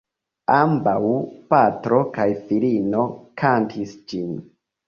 Ambaŭ, patro kaj filino kantis ĝin.